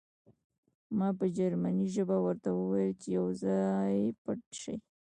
ما په جرمني ژبه ورته وویل چې یو ځای پټ شئ